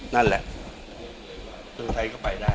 นั่นแหละคนไทยก็ไปได้